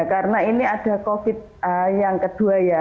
karena ini ada covid yang kedua ya